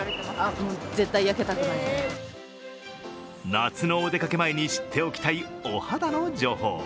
夏のお出かけ前に知っておきたいお肌の情報。